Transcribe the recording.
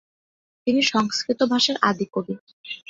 তিনি সংস্কৃত ভাষার আদি কবি।